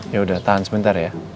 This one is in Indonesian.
ya udah tahan sebentar ya